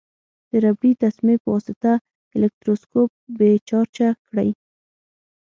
د ربړي تسمې په واسطه الکتروسکوپ بې چارجه کړئ.